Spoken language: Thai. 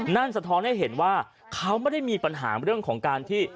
สะท้อนให้เห็นว่าเขาไม่ได้มีปัญหาเรื่องของการที่